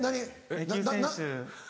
野球選手。